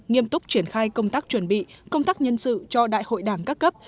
nghiêm túc triển khai công tác chuẩn bị công tác nhân sự cho đại hội đảng các cấp